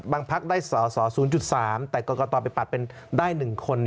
บางพักได้ส่อ๐๓แต่ก่อนต่อไปปัดเป็นได้๑คน